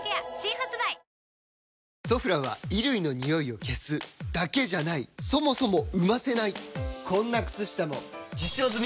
「ソフラン」は衣類のニオイを消すだけじゃないそもそも生ませないこんな靴下も実証済！